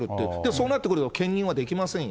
そうなってくると兼任はできませんよ。